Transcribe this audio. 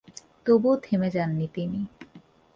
তবুও থেমে যান নি তিনি।